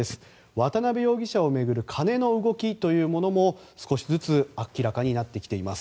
渡邉容疑者を巡る金の動きというものも少しずつ明らかになってきています。